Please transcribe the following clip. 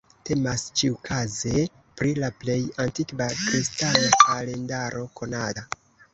Temas, ĉiukaze, pri la plej antikva kristana kalendaro konata.